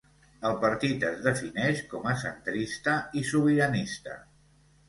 El partit es defineix com a centrista i sobiranista.